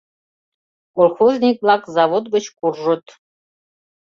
Колхозник-влак завод гыч куржыт.